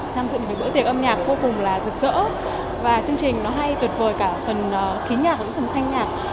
tham dựng một bữa tiệc âm nhạc vô cùng rực rỡ và chương trình hay tuyệt vời cả phần khí nhạc cũng phần thanh nhạc